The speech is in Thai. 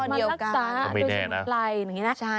มารักษาดูสมุนไพรอย่างนี้นะ